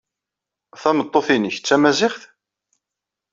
Tameṭṭut-nnek d Tamaziɣt?